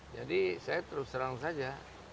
jadi saya terus terang saja